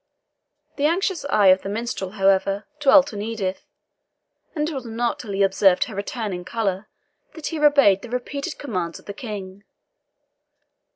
The anxious eye of the minstrel, however, dwelt on Edith, and it was not till he observed her returning colour that he obeyed the repeated commands of the King.